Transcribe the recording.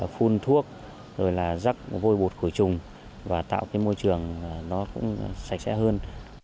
phun thuốc rắc vôi bột của chùng và tạo môi trường sạch sẽ hơn